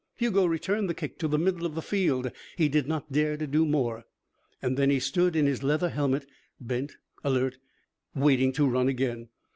Hugo returned the kick to the middle of the field. He did not dare to do more. Then he stood in his leather helmet, bent, alert, waiting to run again.